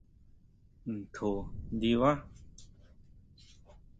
¿Ntjo ndibá?